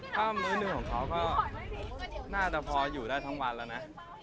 ถ้ามื้อหนึ่งของเขาก็น่าจะพออยู่ได้ทั้งวันแล้วนะ